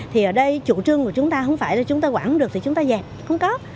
thì ở đây chủ trương của chúng ta không phải là chúng ta quản được thì chúng ta giảm không có